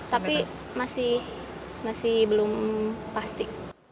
tapi masih belum pasti